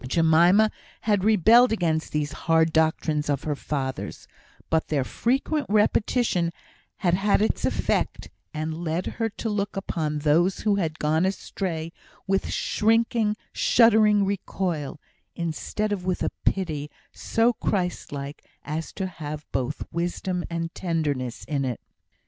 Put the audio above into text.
Jemima had rebelled against these hard doctrines of her father's, but their frequent repetition had had its effect, and led her to look upon those who had gone astray with shrinking, shuddering recoil, instead of with a pity so Christ like as to have both wisdom and tenderness in it.